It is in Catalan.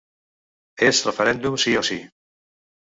És referèndum sí o sí.